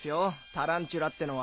タランチュラってのは。